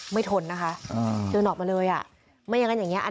ทนนะคะเดินออกมาเลยอ่ะไม่อย่างนั้นอย่างเงี้อ่ะ